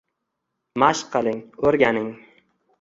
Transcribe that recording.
Mashq qiling, oʻrganing